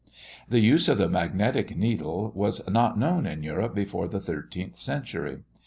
The use of the magnetic needle was not known in Europe before the thirteenth century.